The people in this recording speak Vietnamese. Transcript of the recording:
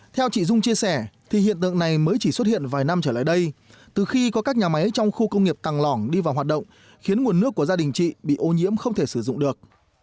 theo chị dung chia sẻ thì hiện tượng này mới chỉ xuất hiện vài năm trở lại đây từ khi có các nhà máy trong khu công nghiệp tàng lỏng đi vào hoạt động khiến nguồn nước của gia đình chị bị ô nhiễm không thể sử dụng được